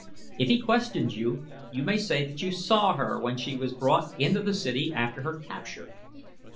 If he questions you, you may say that you saw her when she was brought into the city after her capture.